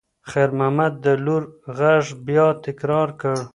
خیر محمد د لور غږ بیا تکرار کړ.